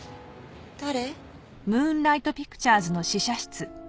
誰？